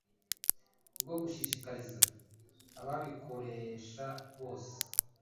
bwo gushishikariza ababikoresha bose,